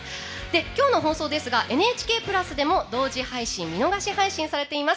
今日の放送ですがＮＨＫプラスでも同時・見逃し配信されています。